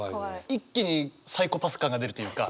一気にサイコパス感が出るというか。